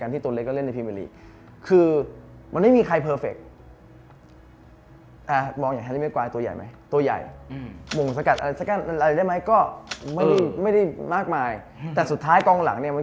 ที่ถูกจังหวะการป้องกันการมาร์คคู่กันอะไรอย่างเงี้ย